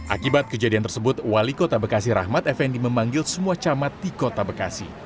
akibat kejadian tersebut wali kota bekasi rahmat effendi memanggil semua camat di kota bekasi